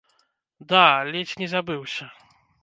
Да, ледзь не забыўся.